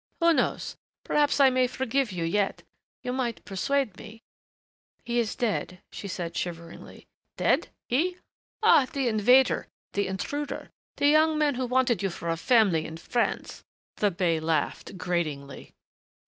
"Who knows perhaps I may forgive you yet? You might persuade me " "He is dead," she said shiveringly. "Dead? He?... Ah, the invader, the intruder, the young man who wanted you for a family in France!" The bey laughed gratingly.